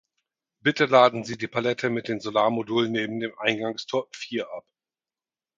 Bitte laden Sie die Palette mit den Solarmodulen neben dem Eingangstor vier ab.